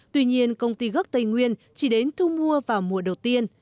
tuy nhiên công ty gốc tây nguyên chỉ đến thu mua vào mùa đầu tiên